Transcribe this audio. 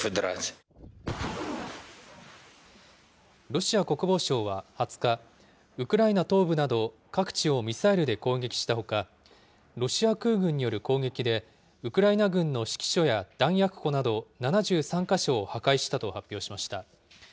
ロシア国防省は２０日、ウクライナ東部など、各地をミサイルで攻撃したほか、ロシア空軍による攻撃で、ウクライナ軍の指揮所や弾薬庫など、７３か所を破壊したと発表しました。